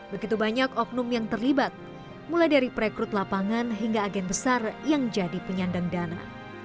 begitu banyak oknum yang terlibat mulai dari perekrut lapangan hingga agen besar yang jadi penyandang dana